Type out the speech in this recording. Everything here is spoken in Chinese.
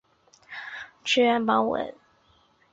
支援盲文显示机的软件被称为萤幕阅读器。